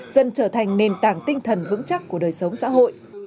dần trở thành nền tảng tinh thần vững chắc của đời sống xã hội